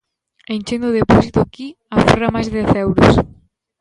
Enchendo o depósito aquí aforran máis de dez euros.